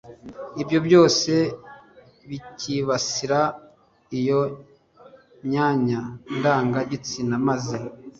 ibyo byose bikibasira iyo myanya ndanga-gitsina, maze